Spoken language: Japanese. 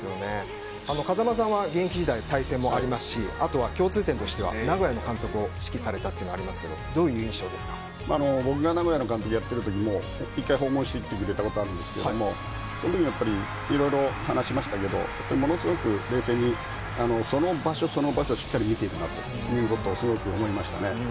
風間さんは現役時代対戦もありますし共通点としては名古屋の監督を指揮されたというのがありますが僕が名古屋の監督をやってた時も１回訪問しに来てくれたことがあるんですがその時いろいろ話しましたがものすごく冷静にその場所、その場所をしっかり見ているなとすごく思いましたね。